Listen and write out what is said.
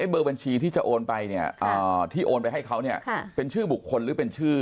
เบอร์บัญชีที่จะโอนไปเนี่ยที่โอนไปให้เขาเป็นชื่อบุคคลหรือเป็นชื่อ